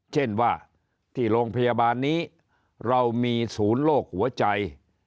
เช่นว่าที่โรงพยาบาลนี้เรามีศูนย์โรคหัวใจ